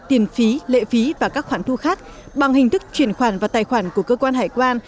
tiền phí lệ phí và các khoản thu khác bằng hình thức chuyển khoản và tài khoản của cơ quan hải quan